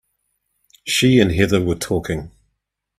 She and Heather were talking.